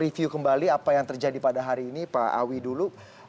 review kembali apa yang terjadi pada hari ini pak awi dulu